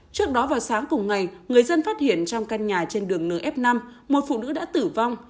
trước đó vào sáng cùng ngày người dân phát hiện trong căn nhà trên đường nf năm một phụ nữ đã tử vong